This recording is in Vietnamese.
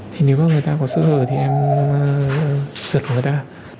thì nếu có người ta có sơ hở thì em giật người ta